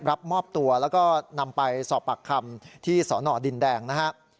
รับมอบตัวแล้วก็นำไปสอบปากคำที่สอนอดินแดงนะครับ